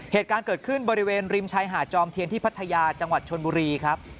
เหตุการณ์เกิดขึ้นบริเวณริมชายหาดจอมเทียนที่พัทยาจังหวัดชนบุรีครับ